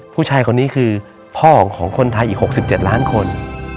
ผู้ชายคนนี้คือพ่อของคนไทยอีก๖๗ล้านคน